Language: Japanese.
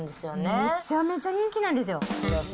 めちゃめちゃ人気なんですよ。